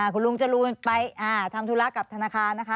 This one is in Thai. คุณลุงจรูนไปทำธุระกับธนาคารนะคะ